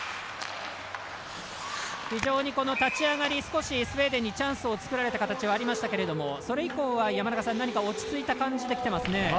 非常に立ち上がり、少しスウェーデンにチャンスを作られた形はありましたがそれ以降は何か落ち着いた感じできてますね。